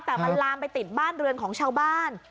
แต่มันลามไปติดบ้านเรือนของชาวบ้าน